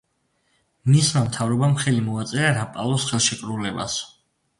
მისმა მთავრობამ ხელი მოაწერა რაპალოს ხელშეკრულებას.